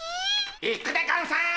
行くでゴンス！